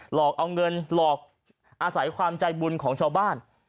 หลอกเอาเงินหลอกอาศัยความใจบุญของชาวบ้าน